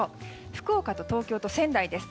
福岡と東京と仙台です。